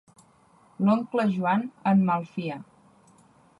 L'oncle Joan en malfia.